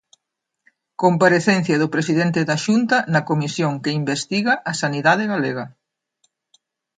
Comparecencia do presidente da Xunta na comisión que investiga a sanidade galega.